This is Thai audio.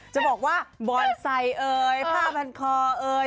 จะบอกว่าบอนไซค์เอ่ยผ้าพันคอเอ่ย